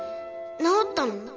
治ったの？